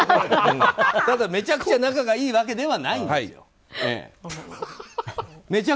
ただ、めちゃくちゃ仲がいいわけではないんですね。